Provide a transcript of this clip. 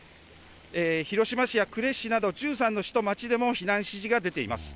広島市や呉市など、１３の市と町でも避難指示が出ています。